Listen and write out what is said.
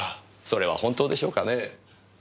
それはホントでしょうかねえ。